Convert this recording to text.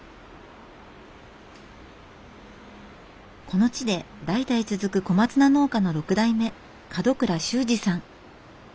この地で代々続く小松菜農家の６代目門倉周史さん。